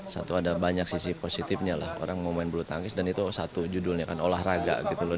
satu ada banyak sisi positifnya lah orang mau main bulu tangkis dan itu satu judulnya kan olahraga gitu loh